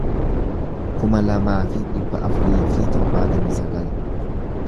kuma lamaa fi dhibba afurii fi torbaatamii sagal